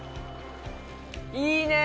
いいね。